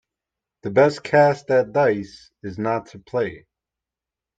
The best cast at dice is not to play.